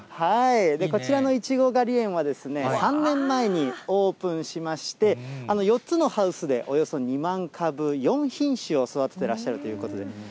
こちらのいちご狩り園はですね、３年前にオープンしまして、４つのハウスでおよそ２万株、４品種を育ててらっしゃるということで。